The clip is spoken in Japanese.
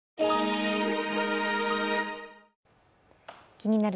「気になる！